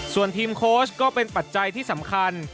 ส่วนทีมโค้ชก็เป็นปัจจัยที่สำคัญ